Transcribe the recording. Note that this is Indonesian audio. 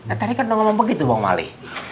nah tadi kan udah ngomong begitu bang mali